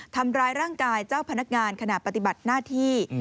ทำร้ายร่างกายเจ้าพนักงานขณะปฏิบัติหน้าที่